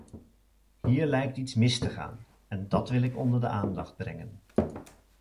Hier lijkt iets mis te gaan, en dat wil ik onder de aandacht brengen.